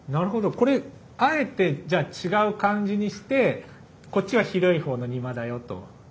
これあえてじゃあ違う漢字にしてこっちが広い方の邇摩だよと。